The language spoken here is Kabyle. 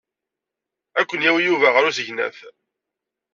Ad ken-yawi Yuba ɣer usegnaf.